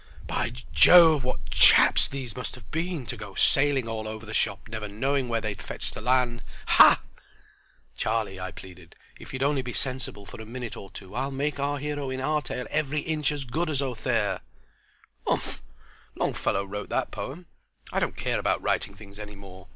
"By Jove, what chaps those must have been, to go sailing all over the shop never knowing where they'd fetch the land! Hah!" "Charlie," I pleaded, "if you'll only be sensible for a minute or two I'll make our hero in our tale every inch as good as Othere." "Umph! Longfellow wrote that poem. I don't care about writing things any more.